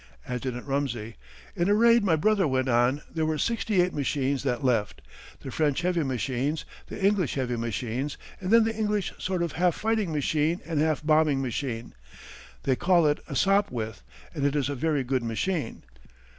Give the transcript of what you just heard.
Adjt. Rumsey: In a raid my brother went on there were sixty eight machines that left; the French heavy machines, the English heavy machines, and then the English sort of half fighting machine and half bombing machine. They call it a Sopwith, and it is a very good machine.